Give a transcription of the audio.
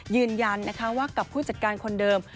ยืนยันนะคะว่ากับผู้จัดการคนเดิม